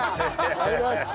ありがとうございます。